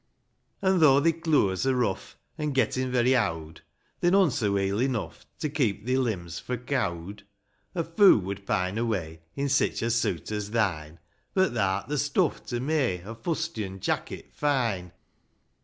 IV. An' though thi clooas^ are rough, An' gettin' very owd, They'n onswer weel enough To keep thi limbs fro' cowd ; A foo would pine away I' sich a suit as thine, But, thaer't the stuff to may A fustian jacket fine.